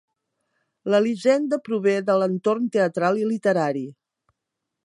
L'Elisenda prové de l'entorn teatral i literari.